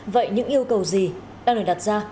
vậy những yêu cầu gì đang được đặt ra